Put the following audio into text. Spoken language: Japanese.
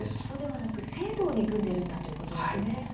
人ではなく制度を憎んでいるんだということですよね。